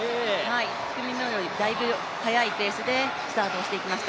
１組目よりもだいぶ速いペースでスタートをしていきました。